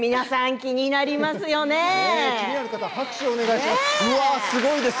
気になる方拍手をお願いします。